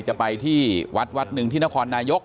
จะไปที่วัดวัดหนึ่งที่นครนายก